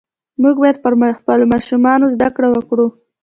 موږ باید پر خپلو ماشومانو زده کړه وکړو .